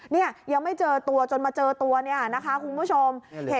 นี่ยังไม่เจอตัวจนมาเจอตัวนี่คุณผู้ชม